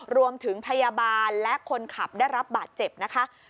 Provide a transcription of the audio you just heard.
รวมถึงพยาบาลและคนขับได้รับบัตรเจ็บนะคะ